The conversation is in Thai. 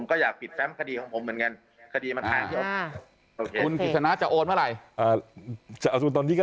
ผมก็อยากบิดแซมข้าวคดีของผมเหมือนกัน